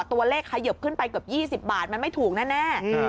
ขยับขึ้นไปเกือบ๒๐บาทมันไม่ถูกแน่